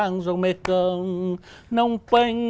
nói với anh